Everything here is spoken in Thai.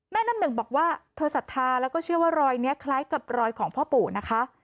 น้ำหนึ่งบอกว่าเธอศรัทธาแล้วก็เชื่อว่ารอยนี้คล้ายกับรอยของพ่อปู่นะคะ